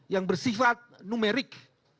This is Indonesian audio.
yang bersifat numerik